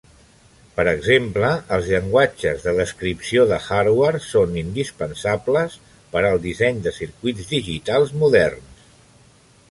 Per exemple, els llenguatges de descripció de hardware són indispensables per al disseny de circuits digitals moderns.